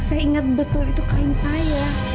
saya ingat betul itu kain saya